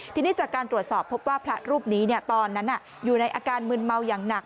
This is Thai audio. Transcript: ทีนี้จากการตรวจสอบพบว่าพระรูปนี้ตอนนั้นอยู่ในอาการมึนเมาอย่างหนัก